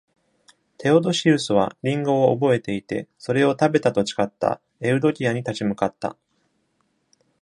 テオドシウスはリンゴを覚えていて、それを食べたと誓ったエウドキアに立ち向かった。